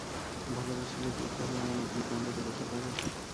ভালোবাসিলে কি কেহ এমন অগ্নিকাণ্ড করিতে পারে।